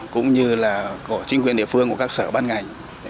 cũng như là của chính quyền địa phương của các sở ban ngành